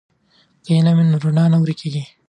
که علم وي نو رڼا نه ورکیږي.